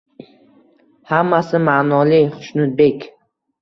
Hammasi ma'noli, Xushnudbek